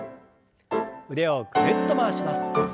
腕をぐるっと回します。